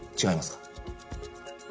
違いますか？